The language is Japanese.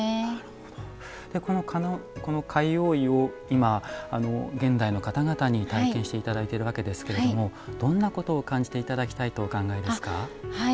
この貝覆いを今、現代の方々に体験していただいているわけですけれどもどんなことを感じていただきたいとお考えですか？